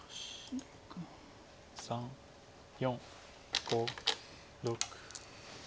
３４５６。